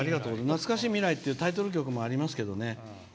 「なつかしい未来」ってタイトル曲もありますけど。